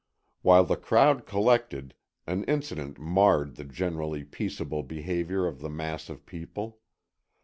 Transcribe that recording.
While the crowd collected, an incident marred the generally peaceable behavior of the mass of people.